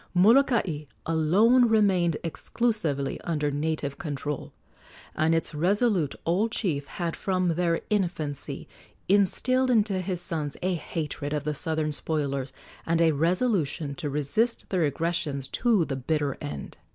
Molokai alone remained exclusively under native control, and its resolute old chief had from their infancy instilled into his sons a hatred of the southern spoilers and a resolution to resist their aggressions to the bitter end.